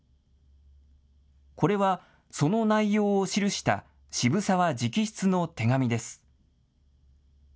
これはその内容を記した渋沢直筆の手紙です。